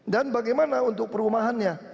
dan bagaimana untuk perumahannya